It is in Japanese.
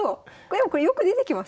でもこれよく出てきますよね。